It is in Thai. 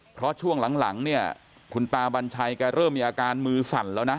เพราะช่วงหลังเนี่ยคุณตาบัญชัยแกเริ่มมีอาการมือสั่นแล้วนะ